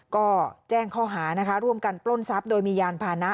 ก็แจ้งข้อหานะคะร่วมกันปล้นทรัพย์โดยมียานพานะ